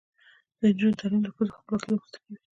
د نجونو تعلیم د ښځو خپلواکۍ رامنځته کوي.